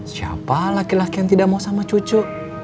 siapa laki laki yang tidak mau sama cucu